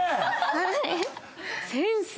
はい。